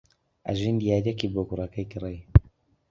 ئەژین دیارییەکی بۆ کوڕەکەی کڕی.